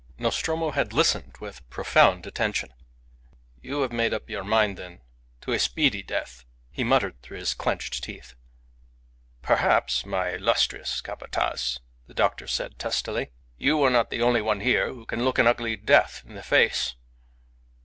Nostromo had listened with profound attention. "You have made up your mind, then, to a speedy death," he muttered through his clenched teeth. "Perhaps, my illustrious Capataz," the doctor said, testily. "You are not the only one here who can look an ugly death in the face."